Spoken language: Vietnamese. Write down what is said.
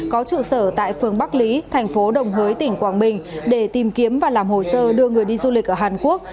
có trụ sở tại phường bắc lý thành phố đồng hới tỉnh quảng bình để tìm kiếm và làm hồ sơ đưa người đi du lịch ở hàn quốc